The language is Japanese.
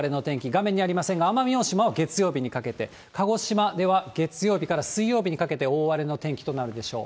画面にありませんが、奄美大島は月曜日にかけて、鹿児島では月曜日から水曜日にかけて大荒れの天気となるでしょう。